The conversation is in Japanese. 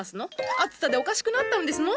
暑さでおかしくなったんですの？